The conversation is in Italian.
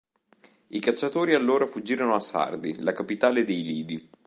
I cacciatori allora fuggirono a Sardi, la capitale dei lidi.